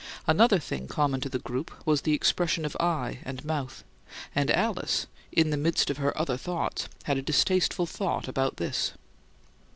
Another thing common to the group was the expression of eye and mouth; and Alice, in the midst of her other thoughts, had a distasteful thought about this.